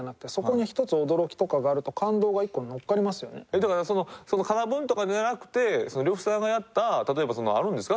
だからそのカナブンとかじゃなくて呂布さんがやった例えばあるんですか？